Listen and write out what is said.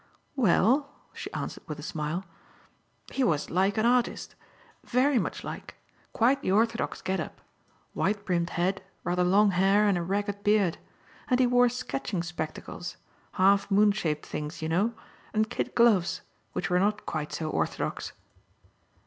"Well," she answered with a smile, "he was like an artist. Very much like. Quite the orthodox get up. Wide brimmed hat, rather long hair and a ragged beard. And he wore sketching spectacles half moon shaped things, you know and kid gloves which were not quite so orthodox."